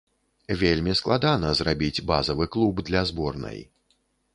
Вельмі складана зрабіць базавы клуб для зборнай.